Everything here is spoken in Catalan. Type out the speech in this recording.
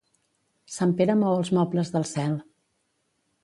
Sant Pere mou els mobles del cel.